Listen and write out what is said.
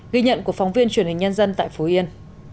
ghi nhận của phóng viên truyền hình nhân dân tại phú yên